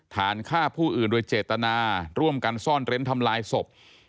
ฐานฆ่าผู้อื่นโดยเจตนาร่วมกันซ่อนเร้นทำลายศพ